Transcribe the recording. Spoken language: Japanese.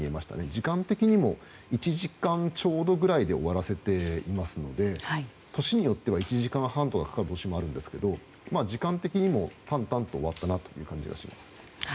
時間的にも１時間ちょうどくらいで終わらせていますので年によっては１時間半とかかかる年もあるんですけど時間的にも淡々と終わったなという感じがします。